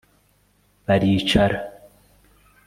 baricara